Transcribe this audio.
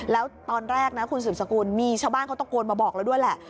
แล้วตอนแรกนะคุณสืบสกุลมีชาวบ้านเขาตะโกนมาบอกแล้วด้วยแหละ